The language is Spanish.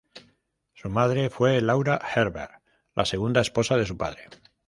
Su madre fue Laura Herbert, la segunda esposa de su padre.